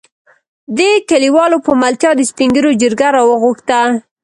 دې کليوالو په ملتيا د سپين ږېرو جرګه راوغښته.